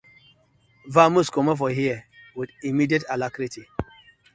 Vamoose comot for here with immediate alarcrity.